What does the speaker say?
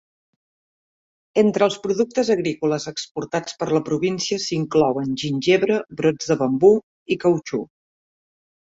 Entre els productes agrícoles exportats per la província s'inclouen gingebre, brots de bambú i cautxú.